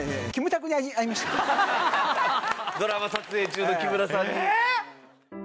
ドラマ撮影中の木村さんに。